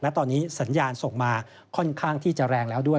และตอนนี้สัญญาณส่งมาค่อนข้างที่จะแรงแล้วด้วย